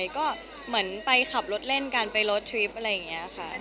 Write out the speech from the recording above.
ก็เหมือนไปขับรถเล่นกันไปลดทริปอะไรอย่างนี้ค่ะ